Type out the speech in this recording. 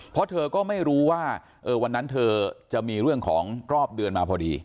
เพราะเธอก็ไม่รู้ว่าวันนั้นเธอจะมีเรื่องของรอบเดือนมาพอดี